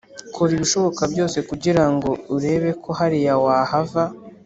Kora ibishoboka byose kugirango urebeko hariya wahava